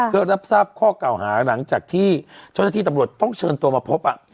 ก็รับทราบข้อก่าวหาหลังจากที่เช้าที่ตำรวจต้องเชิญมามาพบ